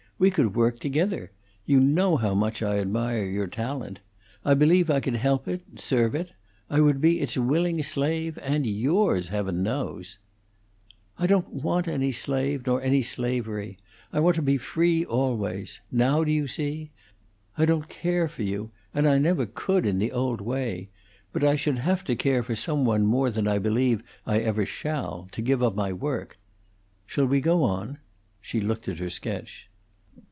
We could work together. You know how much I admire your talent. I believe I could help it serve it; I would be its willing slave, and yours, Heaven knows!" "I don't want any slave nor any slavery. I want to be free always. Now do you see? I don't care for you, and I never could in the old way; but I should have to care for some one more than I believe I ever shall to give up my work. Shall we go on?" She looked at her sketch.